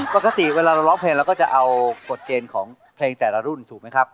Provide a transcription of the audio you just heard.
ปกติเวลาเราร้องเพลงเราก็จะเอากฎเกณฑ์ของเพลงแต่ละรุ่นถูกไหมครับ